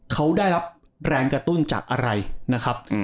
เขาได้รับแรงกระตุ้นจากอะไรนะครับ